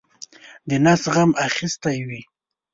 د نس غم اخیستی وي.